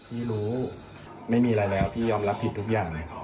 พี่รู้ไม่มีอะไรแล้วพี่ยอมรับผิดทุกอย่างเลย